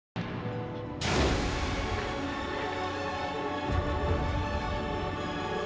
gak ada yang tau